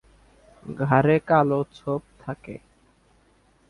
ঘাড়ে কালো ছোপ থাকে।